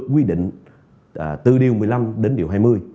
quy định từ điều một mươi năm đến điều hai mươi